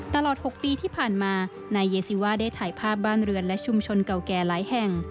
ตลอด๖ปีที่ผ่านมานายเยซิว่าได้ถ่ายภาพบ้านเรือนและชุมชนเก่าแก่หลายแห่ง